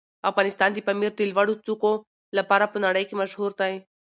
افغانستان د پامیر د لوړو څوکو لپاره په نړۍ مشهور دی.